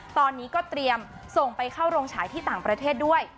ตอนนี้ก็เตรียมส่งไปเข้าโรงฉายที่ต่างประเทศด้วย